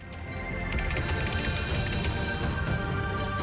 ya coach tantanglah juga